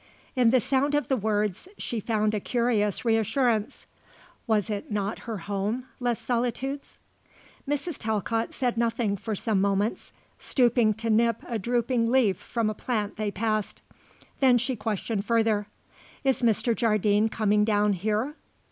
In the sound of the words she found a curious reassurance. Was it not her home, Les Solitudes? Mrs. Talcott said nothing for some moments, stooping to nip a drooping leaf from a plant they passed. Then she questioned further: "Is Mr. Jardine coming down here?"